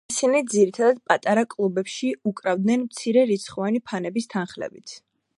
ისინი ძირითადად პატარა კლუბებში უკრავდნენ მცირერიცხვოვანი ფანების თანხლებით.